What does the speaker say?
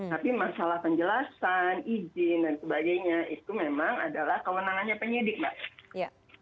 tapi masalah penjelasan izin dan sebagainya itu memang adalah kewenangannya penyidik mbak